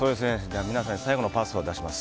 皆さんに最後のパスを出します。